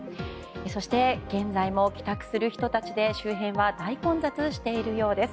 そして、現在も帰宅する人たちで周辺は大混雑しているようです。